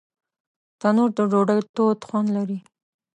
تنور د ډوډۍ تود خوند لري